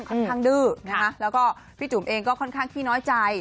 ค่อนข้างดื้อนะคะแล้วก็พี่จุ๋มเองก็ค่อนข้างขี้น้อยใจ